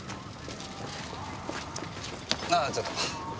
あちょっと。